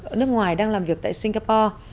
ở nước ngoài đang làm việc tại singapore